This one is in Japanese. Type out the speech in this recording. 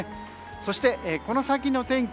そして、この先の天気